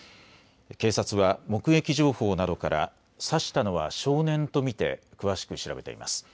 警察は目撃情報などから刺したは少年と見て詳しく調べています。